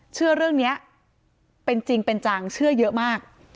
เชื่อเรื่องนี้เป็นจริงเป็นจังเชื่อเยอะมาก